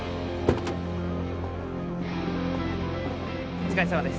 お疲れさまです。